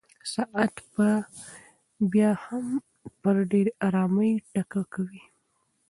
ساعت به بیا هم په ډېرې ارامۍ ټکا کوي.